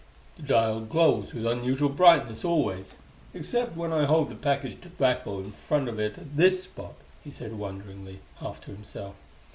"The dial glows with unusual brightness always except when I hold the package of tobacco in front of it at this spot," he said wonderingly, half to himself.